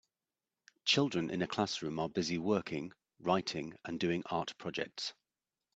Children in a classroom are busy working, writing and doing art projects.